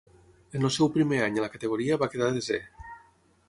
En el seu primer any a la categoria va quedar desè.